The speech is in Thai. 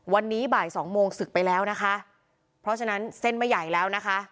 วันนี้บ่ายสองโมงศึกไปแล้วนะคะเพราะฉะนั้นเส้นไม่ใหญ่แล้วนะคะ